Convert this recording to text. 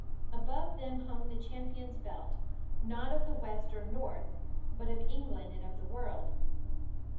Above them hung the champion's belt, not of the west or north, but of England and of the world.